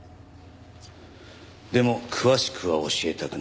でも詳しくは教えたくない。